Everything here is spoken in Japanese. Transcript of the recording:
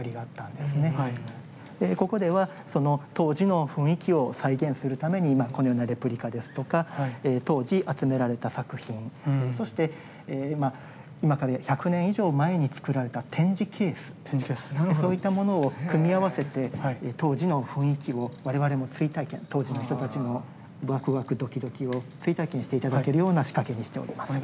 でここではその当時の雰囲気を再現するために今このようなレプリカですとか当時集められた作品そして今から１００年以上前に作られた展示ケースそういったものを組み合わせて当時の雰囲気を我々も追体験当時の人たちのワクワクドキドキを追体験して頂けるような仕掛けにしております。